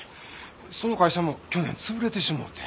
その会社も去年潰れてしもて。